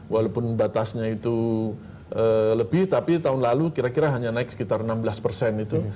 walaupun batasnya itu lebih tapi tahun lalu kira kira hanya naik sekitar enam belas persen itu